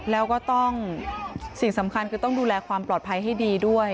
แล้วก็ต้องสิ่งสำคัญคือต้องดูแลความปลอดภัยให้ดีด้วย